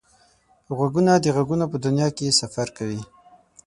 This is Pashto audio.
غوږونه د غږونو په دنیا کې سفر کوي